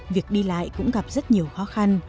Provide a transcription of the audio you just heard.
việc đi lại cũng gặp rất nhiều khó khăn